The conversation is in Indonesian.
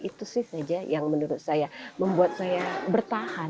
itu sih saja yang menurut saya membuat saya bertahan